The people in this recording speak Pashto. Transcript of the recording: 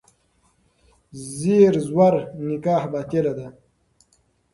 زیر زور نکاح باطله ده.